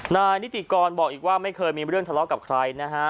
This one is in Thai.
นายนิติกรบอกอีกว่าไม่เคยมีเรื่องทะเลาะกับใครนะฮะ